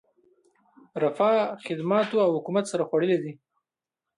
رفاه، خدماتو او حکومت سر خوړلی دی.